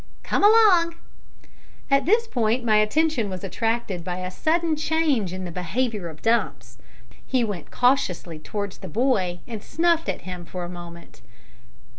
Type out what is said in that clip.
"Come along." At this point my attention was attracted by a sudden change in the behaviour of Dumps. He went cautiously towards the boy, and snuffed as him for a moment.